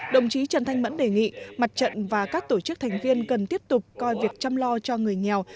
đồng chí trần thanh mẫn đề nghị mặt trận và các tổ chức thành viên cần tiếp tục coi việc chăm lo cho người nghèo